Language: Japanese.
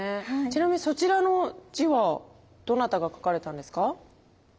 ちなみにそちらの字はどなたが書かれたんですか？